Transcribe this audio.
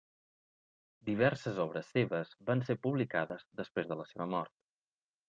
Diverses obres seves van ser publicades després de la seva mort.